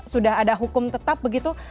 sudah ada hukum tetap begitu